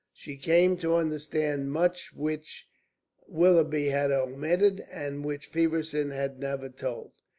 She came to understand much which Willoughby had omitted, and which Feversham had never told.